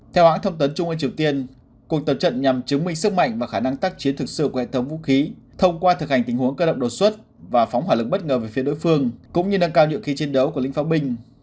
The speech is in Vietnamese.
theo hãng thông tấn trung ương triều tiên cuộc tập trận nhằm chứng minh sức mạnh và khả năng tác chiến thực sự của hệ thống vũ khí thông qua thực hành tình huống cơ động đột xuất và phóng hỏa lực bất ngờ về phía đối phương cũng như nâng cao nhựa khí chiến đấu của link binh